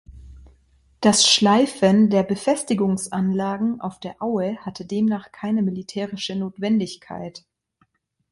Das Schleifen der Befestigungsanlagen auf der Aue hatte demnach keine militärische Notwendigkeit.